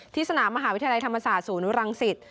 สนามมหาวิทยาลัยธรรมศาสตร์ศูนย์รังสิต